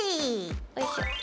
おいしょ。